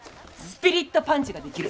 スピリットパンチ？